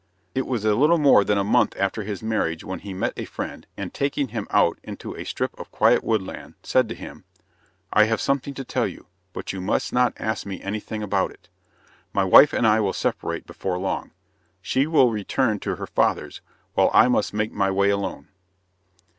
It was a little more than a month after his marriage when he met a friend, and, taking him out into a strip of quiet woodland, said to him: "I have something to tell you, but you must not ask me anything about it. My wife and I will separate before long. She will return to her father's, while I must make my way alone."